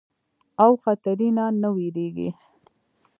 او خطري نه نۀ ويريږي